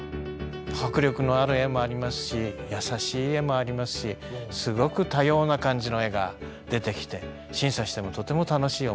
迫力のある絵もありますし優しい絵もありますしすごく多様な感じの絵が出てきて審査してもとても楽しい思いでした。